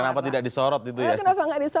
kenapa tidak disorot itu ya